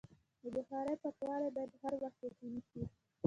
د بخارۍ پاکوالی باید هر وخت یقیني شي.